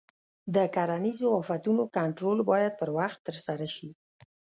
د کرنیزو آفتونو کنټرول باید پر وخت ترسره شي.